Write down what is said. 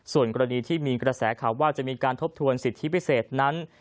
ส่วนกรณีที่มีกระแสข่าวว่าจะมีการทบทวนสิทธิพิเศษนั้น